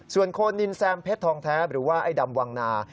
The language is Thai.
ส่วนโคนินแซมเพชรทองแท้หรือว่าไอ้ดำวังนา